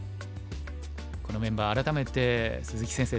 このメンバー改めて鈴木先生